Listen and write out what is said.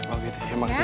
oh gitu ya makasih tante